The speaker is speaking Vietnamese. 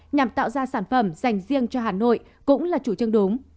nhằm tạo ra sản phẩm dành riêng cho hà nội cũng là chủ trương đúng